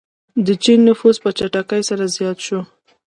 د چین نفوس په چټکۍ سره زیات شو.